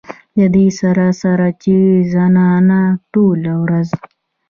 د دې سره سره چې زنانه ټوله ورځ